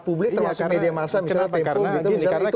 publik termasuk media masa misalnya tempoh gitu